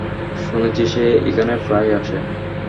শুনেছি সে এখানে প্রায়ই আসে।